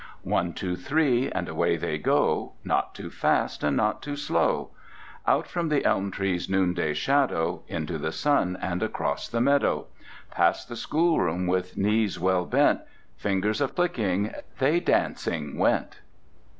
One—Two—Three— And away they go, Not too fast, And not too slow; Out from the elm tree's Noonday shadow, Into the sun And across the meadow. Past the schoolroom, With knees well bent Fingers a flicking, They dancing went....